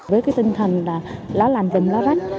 với cái tinh thần là lá làm vùm lá rách